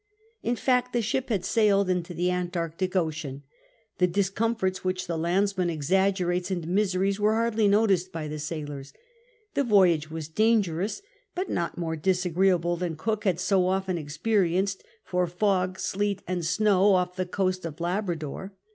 In fact, the ship had sailed into the Antarctic Ocean. The discom forts which the landsman exaggerates into miseries were hardly noticed by the sailors. The voyage was danger ous, but not more disagreeable than Cook had so often experienced, for fog, sleet, and snow off the coast of Labrador.